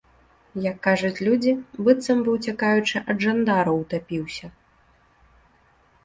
Як кажуць людзі, быццам бы, уцякаючы ад жандараў, утапіўся!